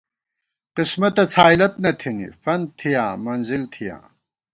قسمتہ څھائیلت نہ تھنی فنت تھِیاں منزل تھِیاں